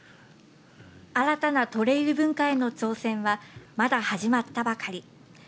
新たなトレイル文化への挑戦は、まだ始まったばかり。